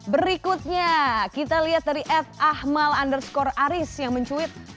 berikutnya kita lihat dari ad ahmad underscore aris yang mencuit